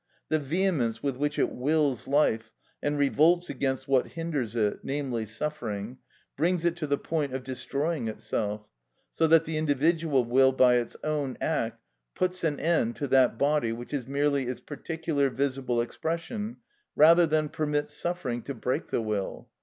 The vehemence with which it wills life, and revolts against what hinders it, namely, suffering, brings it to the point of destroying itself; so that the individual will, by its own act, puts an end to that body which is merely its particular visible expression, rather than permit suffering to break the will.